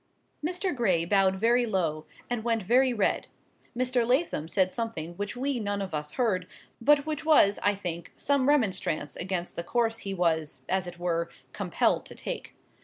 Mr. Gray bowed very low, and went very red; Mr. Lathom said something which we none of us heard, but which was, I think, some remonstrance against the course he was, as it were, compelled to take.